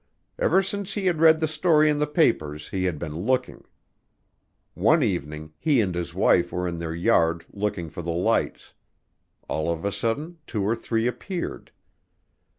Ever since he had read the story in the papers he had been looking. One evening he and his wife were in their yard looking for the lights. All of a sudden two or three appeared.